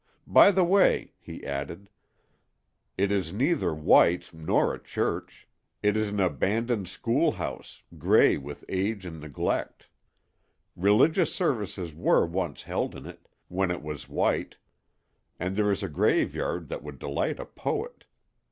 "By the way," he added, "it is neither white nor a church; it is an abandoned schoolhouse, gray with age and neglect. Religious services were once held in it—when it was white, and there is a graveyard that would delight a poet.